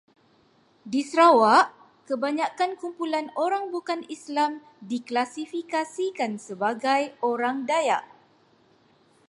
Di Sarawak, kebanyakan kumpulan orang bukan Islam diklasifikasikan sebagai orang Dayak.